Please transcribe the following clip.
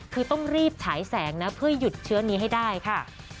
คือต้องรีบฉายแสงนะเพื่อหยุดเชื้อนี้ให้ได้ค่ะ